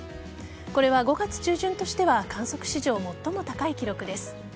これは５月中旬としては観測史上最も高い記録です。